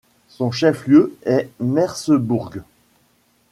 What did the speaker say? Son chef lieu est Mersebourg.